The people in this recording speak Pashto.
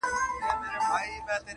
o چي پوره یې کړه د خپل سپي ارمانونه,